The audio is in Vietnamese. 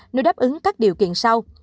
nếu đáp ứng các điều kiện sau